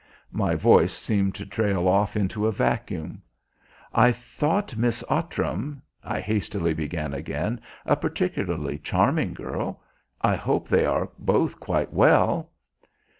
My voice seemed to trail off into a vacuum. "I thought Miss Outram," I hastily began again, "a particularly charming girl. I hope they are both quite well."